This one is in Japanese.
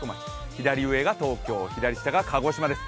左上が東京、左下が鹿児島です。